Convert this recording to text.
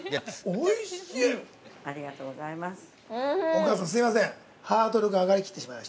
◆おいしい！